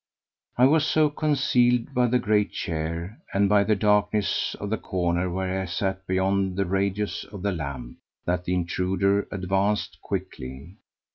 I was so concealed by the great chair, and by the darkness of the corner where I sat beyond the radius of the lamp, that the intruder advanced quickly.